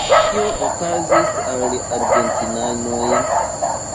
Kio okazis al argentinanoj?